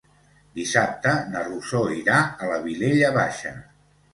Dissabte na Rosó irà a la Vilella Baixa.